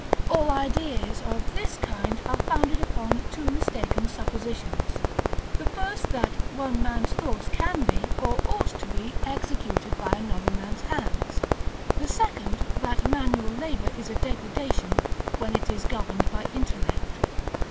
All ideas of this kind are founded upon two mistaken suppositions: the first, that one man's thoughts can be, or ought to be, executed by another man's hands; the second, that manual labor is a degradation, when it is governed by intellect.